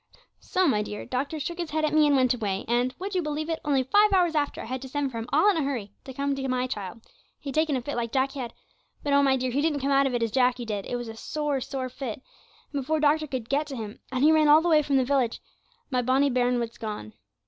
So, my dear, doctor shook his head at me and went away, and (would you believe it!) only five hours after I had to send for him all in a hurry to come to my child. He'd taken a fit like Jacky had; but oh! my dear, he didn't come out of it as Jacky did; it was a sore, sore fit, and before doctor could get to him and he ran all the way from the village my bonny bairn was gone.'